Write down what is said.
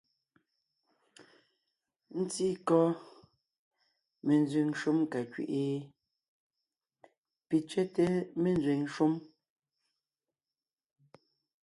Ńtíí kɔ́ menzẅìŋ shúm ka kẅí’i ? Pì tsẅɛ́té ménzẅìŋ shúm.